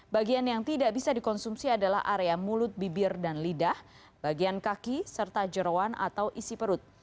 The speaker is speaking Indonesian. bagian yang tidak bisa dikonsumsi adalah area mulut bibir dan lidah bagian kaki serta jerawan atau isi perut